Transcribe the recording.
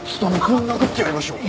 ぶん殴ってやりましょうか？